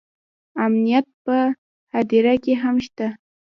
امنیت په هدیره کې هم شته